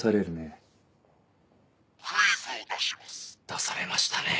出されましたね。